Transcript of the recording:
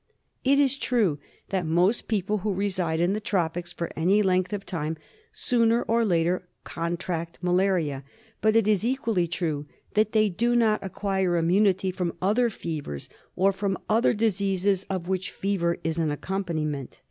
It is true that most people who reside in the tropics for any length of time sooner or later contract malaria; but it is equally true that they do not acquire immunity from other fevers, or from other diseases of which fever DIAGNOSIS OF TROPICAL FEVERS. I5I is an accompaniment.